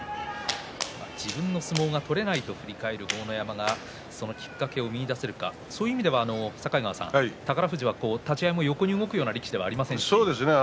自分の相撲が取れないと振り返る豪ノ山がそのきっかけを見いだせるか、そういう意味では宝富士は立ち合いも横に動くような力士でもありませんね。